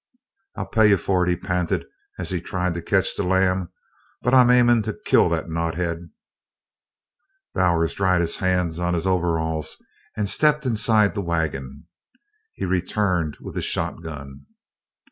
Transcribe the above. "I'll pay you fer it," he panted as he tried to catch the lamb, "but I'm aimin' to kill that knot head!" Bowers dried his hands on his overalls and stepped inside the wagon. He returned with his shotgun.